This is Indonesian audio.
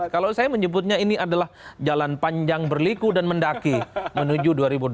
kalau saya menyebutnya ini adalah jalan panjang berliku dan mendaki menuju dua ribu dua puluh